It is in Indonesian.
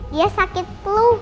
dia sakit flu